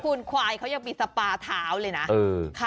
คุณควายเขายังมีสปาเท้าเลยนะ